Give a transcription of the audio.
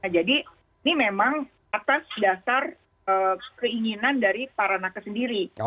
jadi ini memang atas dasar keinginan dari para nakas sendiri